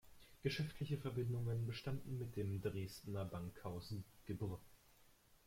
Geschäftliche Verbindungen bestanden mit dem Dresdner Bankhaus Gebr.